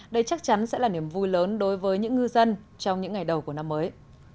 đây chắc chắn sẽ là niềm vui lớn đối với những ngư dân trong những ngày đầu của năm mới